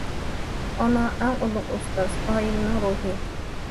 ئانا ئەڭ ئۇلۇغ ئۇستاز، ئائىلىنىڭ روھى.